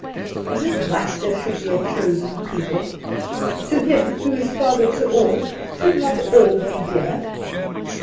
"Is it right there should be a chosen people? To Him, who is father to all, should not all be dear?"